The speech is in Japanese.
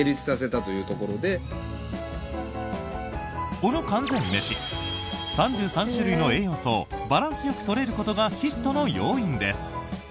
この完全メシ３３種類の栄養素をバランスよく取れることがヒットの要因です。